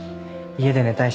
家で寝たいし。